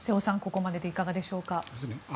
ここまででいかがでしょうか。